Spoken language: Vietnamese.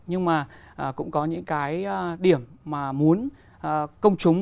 nhưng mà cũng có những cái điểm mà muốn công chúng